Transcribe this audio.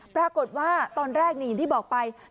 ปรากฏว่าตอนแรกอย่างที่บอกไป